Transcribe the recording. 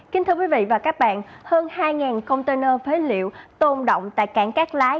kính thưa quý vị và các bạn hơn hai container phế liệu tồn động tại cảng cát lái